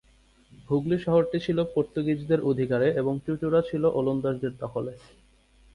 হুগলী শহরটি ছিল পর্তুগিজদের অধিকারে এবং চুঁচুড়া ছিল ওলন্দাজদের দখলে।